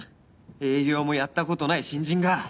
営業もやった事ない新人が！